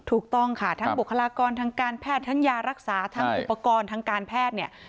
ถูกต้องค่ะทั้งบุคลากรทางการแพทย์ทั้งยารักษาทั้งอุปกรณ์ทางการแพทย์เนี่ย